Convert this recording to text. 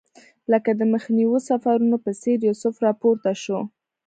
لکه د مخکنیو سفرونو په څېر یوسف راپورته شو.